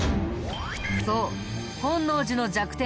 そう本能寺の弱点